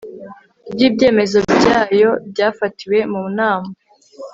ry ibyemezo byayo byafatiwe mu nama